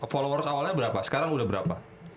followers awalnya berapa sekarang udah berapa